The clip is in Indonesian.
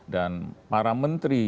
dan para menteri